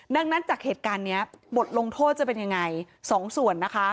ดังนั้นจากเหตุการณ์นี้บทลงโทษจะเป็นยังไงสองส่วนนะคะ